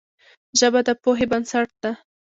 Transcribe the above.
ژبه د پوهې بنسټ ده